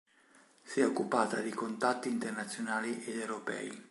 Si è occupata di contatti internazionali ed europei.